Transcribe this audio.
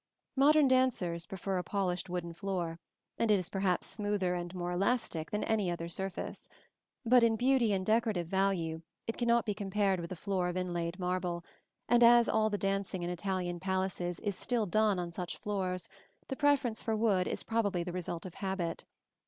Modern dancers prefer a polished wooden floor, and it is perhaps smoother and more elastic than any other surface; but in beauty and decorative value it cannot be compared with a floor of inlaid marble, and as all the dancing in Italian palaces is still done on such floors, the preference for wood is probably the result of habit.